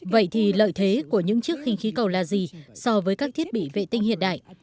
vậy thì lợi thế của những chiếc khinh khí cầu là gì so với các thiết bị vệ tinh hiện đại